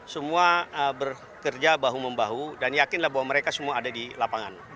semua bekerja bahu membahu dan yakinlah bahwa mereka semua ada di lapangan